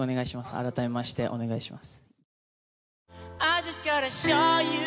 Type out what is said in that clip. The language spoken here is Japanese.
改めましてお願いします。